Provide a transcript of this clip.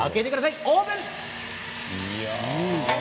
オープン。